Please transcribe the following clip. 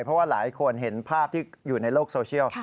เพราะว่าหลายคนเห็นภาพที่อยู่ในโลกโซเชียล